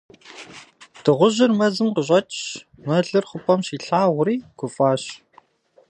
Дыгъужьыр мэзым къыщӀэкӀщ, мэлыр хъупӀэм щилъагъури, гуфӀащ.